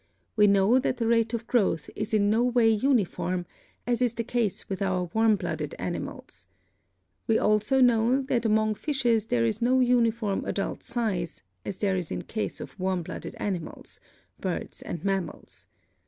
We know that the rate of growth is in no way uniform, as is the case with our warm blooded animals. We also know that among fishes there is no uniform adult size, as there is in case of warm blooded animals (birds and mammals).